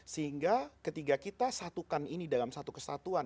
sehingga ketika kita satukan ini dalam satu kesatuan